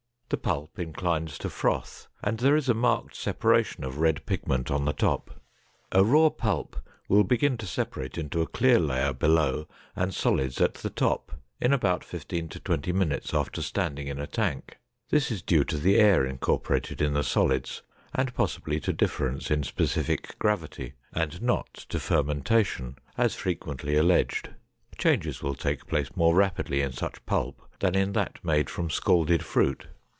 The pulp inclines to froth and there is a marked separation of red pigment on the top. A raw pulp will begin to separate into a clear layer below and solids at the top in about fifteen to twenty minutes after standing in a tank. This is due to the air incorporated in the solids and possibly to difference in specific gravity, and not to fermentation, as frequently alleged. Changes will take place more rapidly in such pulp than in that made from scalded fruit.